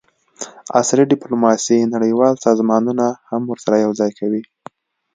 عصري ډیپلوماسي نړیوال سازمانونه هم ورسره یوځای کوي